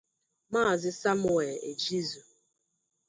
Maazị Samuel Ejizu